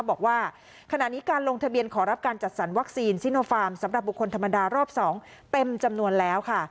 บอกว่าขณะนี้การลงทะเบียนขอรับการจัดสรรวัคซีนซิโนฟาร์มสำหรับบุคคลธรรมดารอบ๒เต็มจำนวนแล้วค่ะ